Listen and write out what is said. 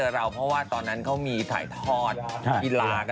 คาวใส่ใคร